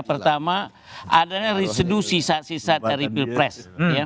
pertama adanya resedu sisa sisa dari pilpres